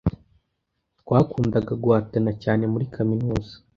Twakundaga guhatana cyane muri kaminuza.